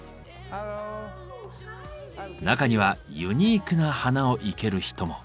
中にはユニークな花を生ける人も。